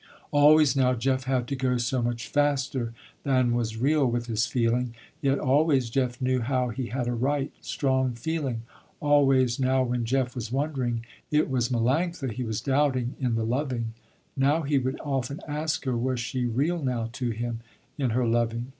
Always now Jeff had to go so much faster than was real with his feeling. Yet always Jeff knew how he had a right, strong feeling. Always now when Jeff was wondering, it was Melanctha he was doubting, in the loving. Now he would often ask her, was she real now to him, in her loving.